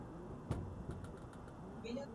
za kusaidi mfuko wa msaada wa kibinadamu